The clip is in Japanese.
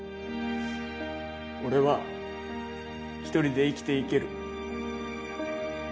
俺は一人で生きていける。